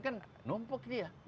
kan numpuk dia